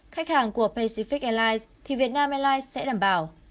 khách hàng của pacific airlines thì việt nam airlines sẽ đảm bảo